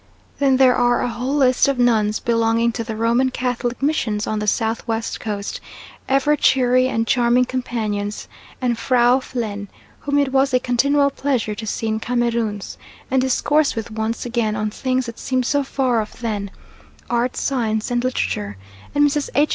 Then there are a whole list of nuns belonging to the Roman Catholic Missions on the South West Coast, ever cheery and charming companions; and Frau Plehn, whom it was a continual pleasure to see in Cameroons, and discourse with once again on things that seemed so far off then art, science, and literature; and Mrs. H.